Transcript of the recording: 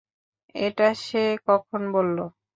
এটা সে কখন বললো?